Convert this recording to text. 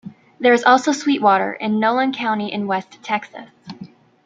There is also Sweetwater in Nolan County in West Texas.